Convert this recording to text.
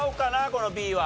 このＢは。